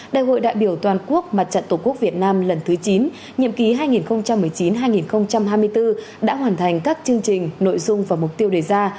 đại hội đại biểu toàn quốc mặt trận tổ quốc việt nam lần thứ chín nhiệm ký hai nghìn một mươi chín hai nghìn hai mươi bốn đã hoàn thành các chương trình nội dung và mục tiêu đề ra